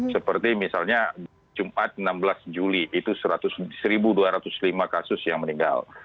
seperti misalnya jumat enam belas juli itu satu dua ratus lima kasus yang meninggal